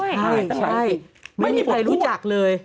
ไม่มีบทพูดไม่มีใครรู้จักเลย